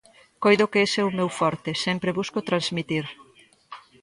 Coido que ese é o meu forte, sempre busco transmitir.